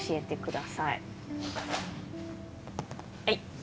はい。